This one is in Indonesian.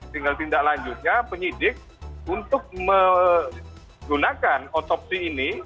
tinggal tindak lanjutnya penyidik untuk menggunakan otopsi ini